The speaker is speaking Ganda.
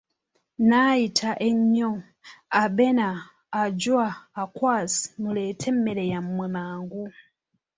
Nayita ennyo, Abena, Ajua, Akwasi, muleete emmere yamwe mangu!